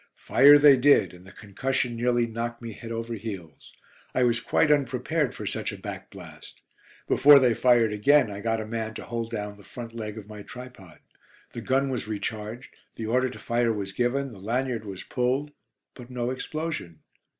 Fire they did, and the concussion nearly knocked me head over heels. I was quite unprepared for such a backblast. Before they fired again, I got a man to hold down the front leg of my tripod. The gun was recharged; the order to fire was given, the lanyard was pulled, but no explosion.